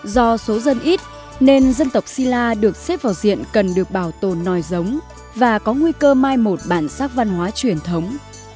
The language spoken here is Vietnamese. do số dân ít nên dân tộc si la được xếp vào diện cần được bảo tồn nòi giống và có nguy cơ mai một bản sắc văn hóa truyền thống